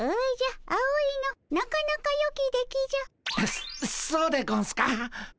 そそうでゴンスか？